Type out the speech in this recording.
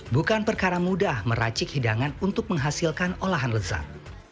bukan perkara mudah meracik hidangan untuk menghasilkan olahan lezat